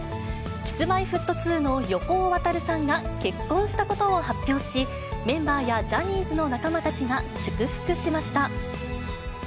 Ｋｉｓ−Ｍｙ−Ｆｔ２の横尾渉さんが、結婚したことを発表し、メンバーやジャニーズの仲間たちが祝福しました。